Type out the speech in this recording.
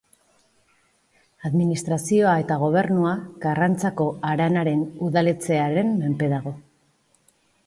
Administrazioa eta gobernua Karrantzako Haranaren udaletxearen menpe dago.